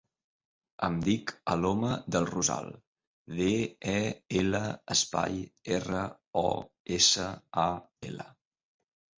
Em dic Aloma Del Rosal: de, e, ela, espai, erra, o, essa, a, ela.